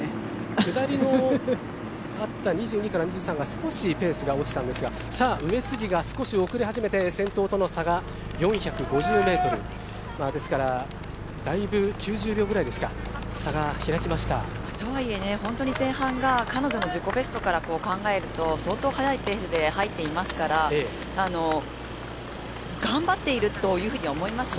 下りのあった２２から２３が少しペースが落ちたんですが上杉が少し遅れ始めて先頭との差が、４５０ｍですからだいぶ９０秒ぐらいですかとはいえ、本当に前半が彼女の自己ベストから考えると相当早いペースで入っていますから頑張っているとは思いますね。